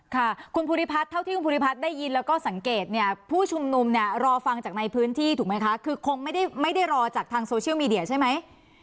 ค่ะคุณภูริพัฒน์เท่าที่คุณภูริพัฒน์ได้ยินแล้วก็สังเกตเนี่ยผู้ชุมนุมเนี่ยรอฟังจากในพื้นที่ถูกไหมคะคือคงไม่ได้รอจากทางโซเชียลมีเดียใช่ไหม